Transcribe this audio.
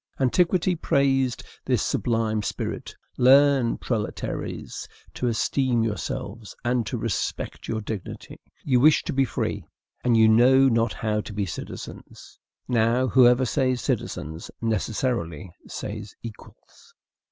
Antiquity praised this sublime spirit. Learn, proletaires, to esteem yourselves, and to respect your dignity. You wish to be free, and you know not how to be citizens. Now, whoever says "citizens" necessarily says equals.